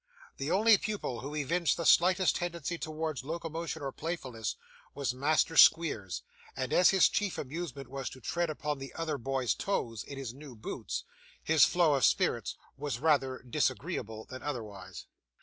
The only pupil who evinced the slightest tendency towards locomotion or playfulness was Master Squeers, and as his chief amusement was to tread upon the other boys' toes in his new boots, his flow of spirits was rather disagreeable than otherwise.